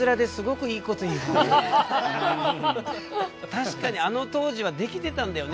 確かにあの当時はできてたんだよね